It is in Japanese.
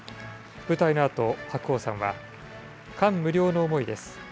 舞台のあと白鸚さんは、感無量の思いです。